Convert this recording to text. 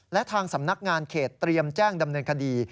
และทางสำนักงานเขตเตรียมแจ้งดำเนินคดี